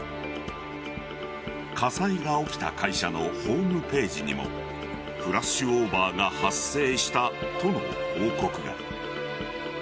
火災が起きた会社のホームページにもフラッシュオーバーが発生したとの報告が。